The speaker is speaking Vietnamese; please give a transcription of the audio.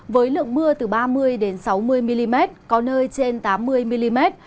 với lượng mưa từ ba mươi sáu mươi mm có nơi trên tám mươi mm